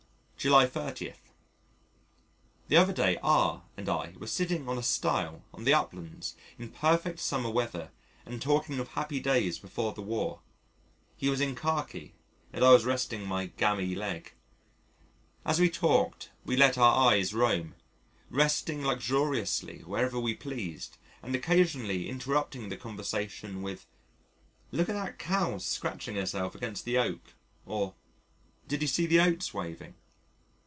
July 30. The other day R and I were sitting on a stile on the uplands in perfect summer weather and talking of happy days before the War he was in khaki and I was resting my "gammy" leg.... As we talked, we let our eyes roam, resting luxuriously wherever we pleased and occasionally interrupting the conversation with "Look at that cow scratching herself against the Oak," or "Do you see the oats waving?"